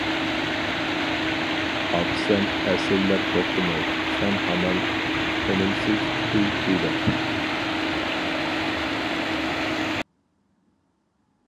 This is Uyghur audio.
ئاقىسەن ئەسىرلەر توختىماي، سەن ھامان تىنىمسىز كۈي كۈيلەپ.